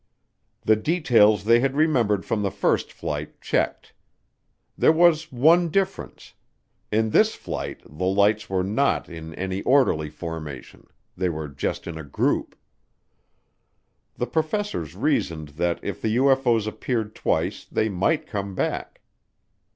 The details they had remembered from the first flight checked. There was one difference; in this flight the lights were not in any orderly formation, they were just in a group. The professors reasoned that if the UFO's appeared twice they might come back.